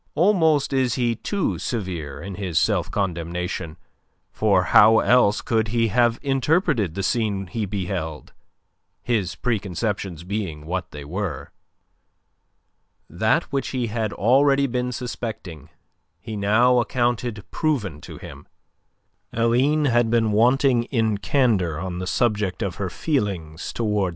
Almost is he too severe in his self condemnation. For how else could he have interpreted the scene he beheld, his preconceptions being what they were? That which he had already been suspecting, he now accounted proven to him. Aline had been wanting in candour on the subject of her feelings towards M.